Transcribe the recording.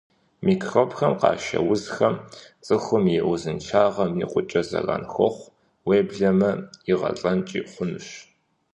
Микробхэм къашэ узхэр цӀыхум и узыншагъэм икъукӀэ зэран хуохъу, уеблэмэ игъэлӀэнкӀи хъунущ.